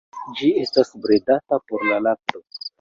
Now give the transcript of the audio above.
Ĝi estas bredata por la lakto.